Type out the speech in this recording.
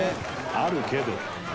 「あるけど」